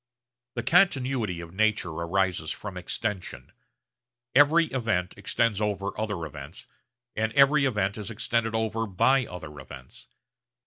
The continuity of nature arises from extension. Every event extends over other events, and every event is extended over by other events.